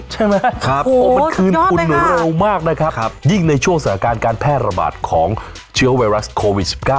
ใช่ไหมครับโอ้มันคืนทุนเร็วมากนะครับยิ่งในช่วงสถานการณ์การแพร่ระบาดของเชื้อไวรัสโควิด๑๙